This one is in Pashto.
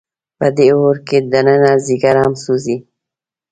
په دې اور کې دننه ځیګر هم سوځي.